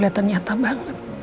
lihat nyata banget